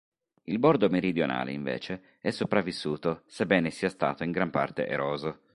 Il bordo meridionale, invece, è sopravvissuto, sebbene sia stato in gran parte eroso.